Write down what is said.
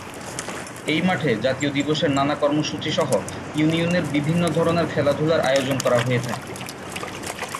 এই মাঠে জাতীয় দিবসের নানা কর্মসূচী সহ ইউনিয়নের বিভিন্ন ধরনের খেলাধুলার আয়োজন করা হয়ে থাকে।